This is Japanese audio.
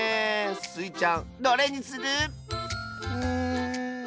スイちゃんどれにする？